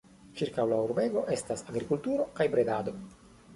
Ĉirkaŭ la urbego estas agrikulturo kaj bredado.